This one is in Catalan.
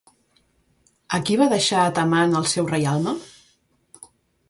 A qui va deixar Atamant el seu reialme?